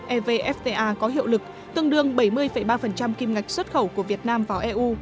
evfta có hiệu lực tương đương bảy mươi ba kim ngạch xuất khẩu của việt nam vào eu